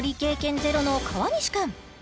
ゼロの川西くん